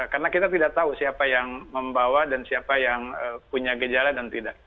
karena kita tidak tahu siapa yang membawa dan siapa yang punya gejala dan tidak